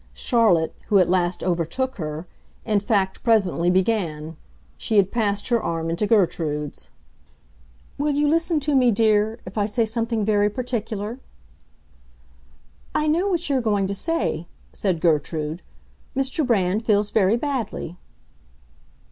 Charlotte, who at last overtook her, in fact presently began; she had passed her arm into Gertrude's. "Will you listen to me, dear, if I say something very particular?" "I know what you are going to say," said Gertrude. "Mr. Brand feels very badly."